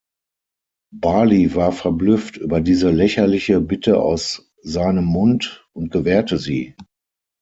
Bali war verblüfft über diese lächerliche Bitte aus seinem Mund und gewährte sie.